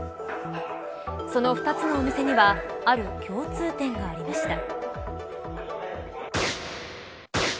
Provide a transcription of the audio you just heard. その２つのお店にはある共通点がありました。